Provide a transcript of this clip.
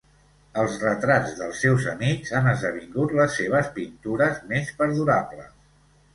Els retrats dels seus amics han esdevingut les seves pintures més perdurables.